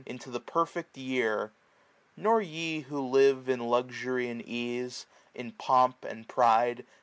Into the perfect year. Nor ye who live In luxury and ease, in pomp and pride.